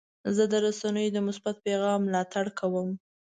زه د رسنیو د مثبت پیغام ملاتړ کوم.